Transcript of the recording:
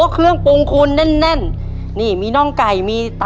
เพื่อชิงทุนต่อชีวิตสุด๑ล้านบาท